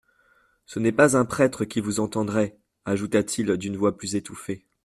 Ce n'est pas un prêtre qui vous entendrait, ajouta-t-il d'une voix plus étouffée.